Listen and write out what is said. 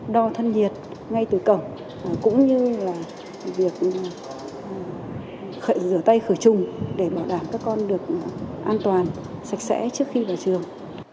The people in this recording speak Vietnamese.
đo thân nhiệt ngay từ cổng cũng như việc rửa tay khởi trùng để bảo đảm các con được an toàn sạch sẽ trước khi vào trường